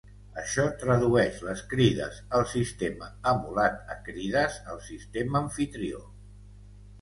Això tradueix les crides al sistema emulat a crides al sistema amfitrió.